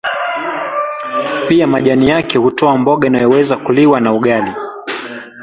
Pia majani yake hutoa mboga inayoweza kuliwa na ugali